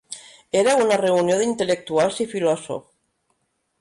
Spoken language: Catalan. Era una reunió d'intel·lectuals i filòsofs.